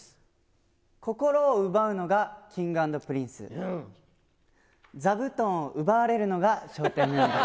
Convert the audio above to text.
心を奪うのがＫｉｎｇ＆Ｐｒｉｎｃｅ、座布団を奪われるのが笑点メンバー。